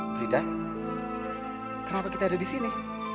frida kenapa kita ada di sini